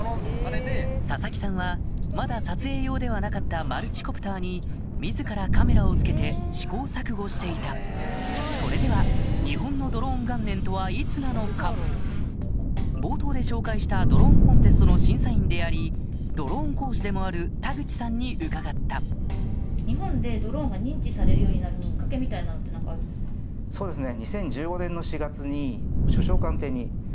佐々木さんはまだ撮影用ではなかったマルチコプターに自らカメラを付けて試行錯誤していたそれでは冒頭で紹介したドローンコンテストの審査員でありドローン講師でもある田口さんに伺ったそうですね。